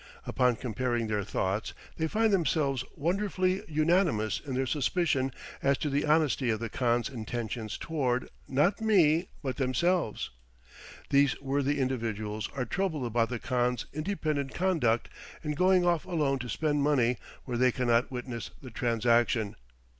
Upon comparing their thoughts, they find themselves wonderfully unanimous in their suspicions as to the honesty of the khan's intentions toward not me, but themselves! These worthy individuals are troubled about the khan's independent conduct in going off alone to spend money where they cannot witness the transaction.